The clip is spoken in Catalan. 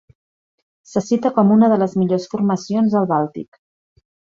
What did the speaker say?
Se cita com una de les millors formacions al Bàltic.